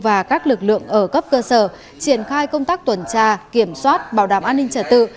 và các lực lượng ở cấp cơ sở triển khai công tác tuần tra kiểm soát bảo đảm an ninh trật tự